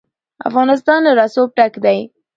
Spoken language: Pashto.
افغانستان له رسوب ډک دی.